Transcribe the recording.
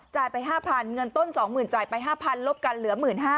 ไป๕๐๐เงินต้น๒๐๐๐จ่ายไป๕๐๐ลบกันเหลือ๑๕๐๐